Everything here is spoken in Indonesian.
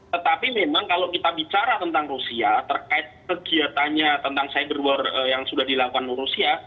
tetapi memang kalau kita bicara tentang rusia terkait kegiatannya tentang cyber war yang sudah dilakukan rusia